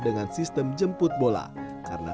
dengan sistem jemput bola karena